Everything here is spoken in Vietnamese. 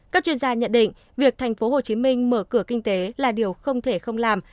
các chuyên gia nhận định việc tp hcm mở cửa kinh tế là điều không thể không làm